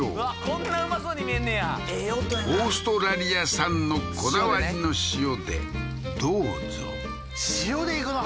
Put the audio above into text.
こんなうまそうに見えんねやオーストラリア産のこだわりの塩でどうぞ塩でいくの？